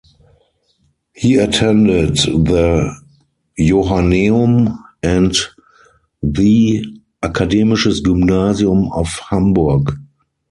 He attended the Johanneum and the Akademisches Gymnasium of Hamburg.